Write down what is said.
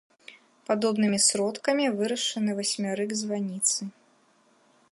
Падобнымі сродкамі вырашаны васьмярык званіцы.